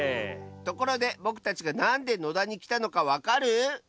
ところでぼくたちがなんで野田にきたのかわかる？